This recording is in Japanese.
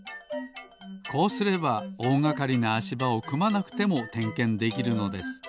こうすればおおがかりなあしばをくまなくてもてんけんできるのです。